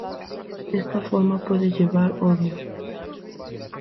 Esta forma puede llevar odio.